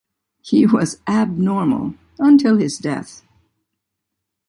He was abnormal until his death.